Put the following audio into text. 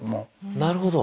なるほど。